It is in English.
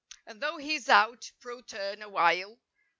And though he's out, pro tern, awhile.